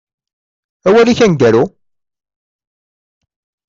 Awal-ik aneggaru?